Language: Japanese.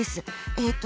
えっと